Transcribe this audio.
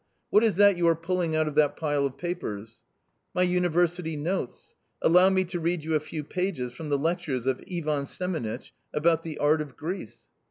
What is that you are pulling out of that pile of papers ?"" My university notes. Allow me to read you a few pages from the lectures of Ivan Semenitch about the Art of Greece."